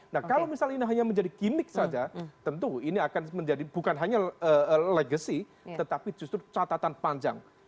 nah kalau misalnya ini hanya menjadi gimmick saja tentu ini akan menjadi bukan hanya legacy tetapi justru catatan panjang